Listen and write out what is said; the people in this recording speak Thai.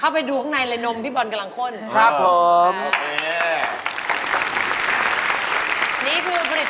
อันนี้ถูกอันนี้ถูกอันนี้ถูก